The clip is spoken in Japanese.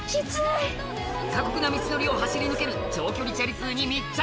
過酷な道のりを走り抜ける長距離チャリ通に密着！